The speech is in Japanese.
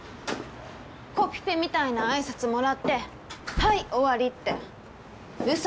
コピペみたいな挨拶もらってはい終わりってウソでしょ？